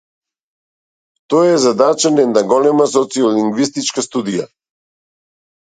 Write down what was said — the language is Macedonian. Тоа е задача на една голема социолингвистичка студија.